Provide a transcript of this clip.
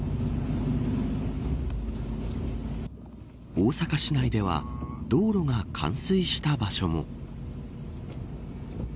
大阪市内では道路が冠水した場所も。